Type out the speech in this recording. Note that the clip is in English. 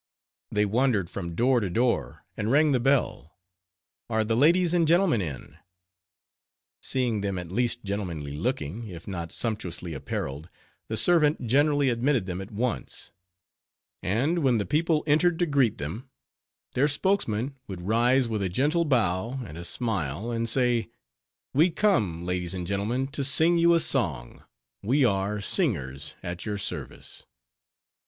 They wandered from door to door, and rang the bell—Are the ladies and gentlemen in? Seeing them at least gentlemanly looking, if not sumptuously appareled, the servant generally admitted them at once; and when the people entered to greet them, their spokesman would rise with a gentle bow, and a smile, and say, _We come, ladies and gentlemen, to sing you a song: we are singers, at your service.